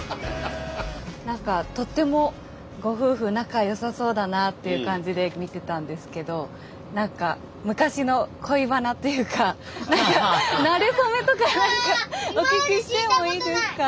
何かとってもご夫婦仲よさそうだなっていう感じで見てたんですけど何か昔の恋バナっていうかなれ初めとかお聞きしてもいいですか？